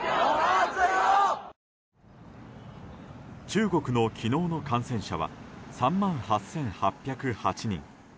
中国の昨日の感染者は３万８８０８人。